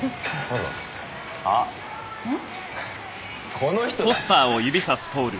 この人だ！